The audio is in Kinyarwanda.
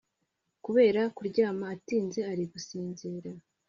kubera kuryama atinze ari gusinzira